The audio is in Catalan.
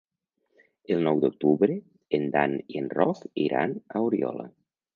El nou d'octubre en Dan i en Roc iran a Oriola.